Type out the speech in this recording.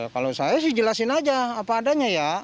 kalau saya sih jelasin aja apa adanya ya